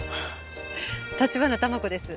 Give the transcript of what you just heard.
橘珠子です。